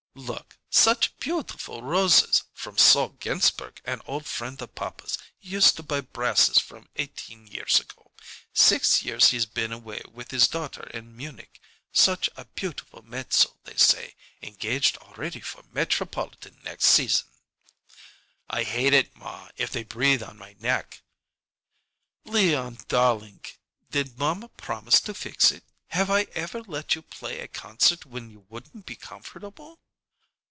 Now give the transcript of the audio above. "Look such beautiful roses! From Sol Ginsberg, an old friend of papa's he used to buy brasses from eighteen years ago. Six years he's been away with his daughter in Munich. Such a beautiful mezzo they say, engaged already for Metropolitan next season." "I hate it, ma, if they breathe on my neck." "Leon darlink, did mamma promise to fix it? Have I ever let you play a concert when you wouldn't be comfortable?"